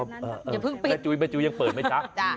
ทอวเพื่อฟังแม่จุ้ยยังเปิดอย่างนั้นนะ